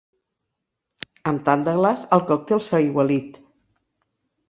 Amb tant de glaç el còctel s'ha aigualit.